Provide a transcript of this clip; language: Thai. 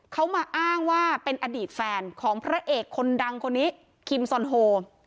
เขามาอ้างว่าเป็นอดีตแฟนของพระเอกคนดังคนนี้คิมซอนโฮ